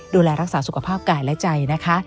ดูแลรักษาสุขภาพกายและใจนะคะ